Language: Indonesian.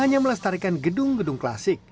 tetapi juga melestarikan gedung gedung klasik